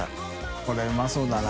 これうまそうだな。